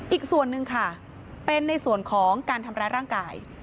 อีกส่วนหนึ่งค่ะเป็นในส่วนของการทำร้ายร่างกาย